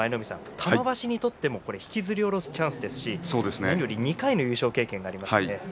玉鷲にとっても引きずり下ろすチャンスですし、何より２回の優勝経験がありますね。